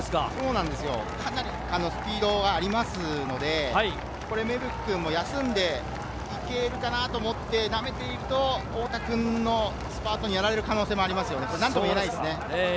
かなりスピードがありますので、芽吹君も休んで行けるかなと思ってなめていると、太田君のスパートにやられる可能性があるので何とも言えないですね。